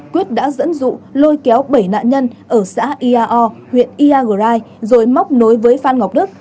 quyết đã dẫn dụ lôi kéo bảy nạn nhân ở xã iao huyện iagrai rồi móc nối với phan ngọc đức